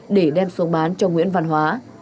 để đem xuống bán cho nguyễn văn hóa